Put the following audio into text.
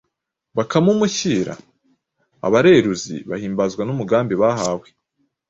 bakamumushyira. Abareruzi bahimbazwa n’umugambi bahawe.